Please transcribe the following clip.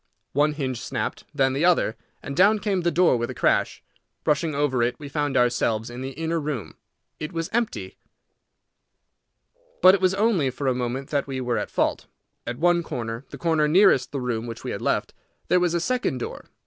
One hinge snapped, then the other, and down came the door with a crash. Rushing over it, we found ourselves in the inner room. It was empty. But it was only for a moment that we were at fault. At one corner, the corner nearest the room which we had left, there was a second door.